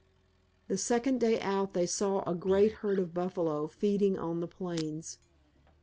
The second day out they saw a great herd of buffalo feeding on the plains.